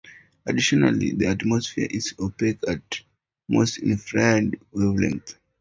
Additionally, the atmosphere is opaque at most infrared wavelengths.